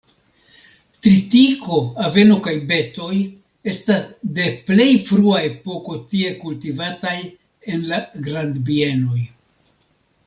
Tritiko, aveno kaj betoj estas de plej frua epoko tie kultivataj en la grandbienoj.